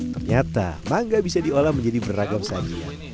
ternyata mangga bisa diolah menjadi beragam sajian